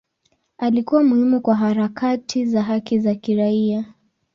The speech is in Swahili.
Alikuwa muhimu kwa harakati za haki za kiraia.